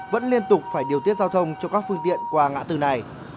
vẫn liên tục phải điều tiết giao thông cho các phương tiện qua ngã tư này